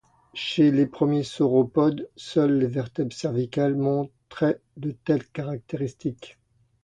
Chez les premiers sauropodes, seules les vertèbres cervicales montraient de telles caractéristiques.